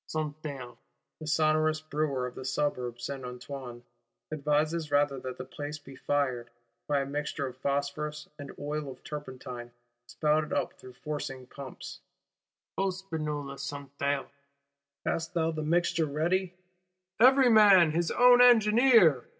Santerre, the sonorous Brewer of the Suburb Saint Antoine, advises rather that the place be fired, by a "mixture of phosphorous and oil of turpentine spouted up through forcing pumps:" O Spinola Santerre, hast thou the mixture ready? Every man his own engineer!